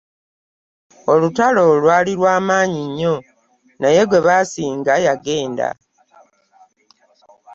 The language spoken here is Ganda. Olutalo lwali lwa maanyi nnyo naye gwe baasinga yagenda.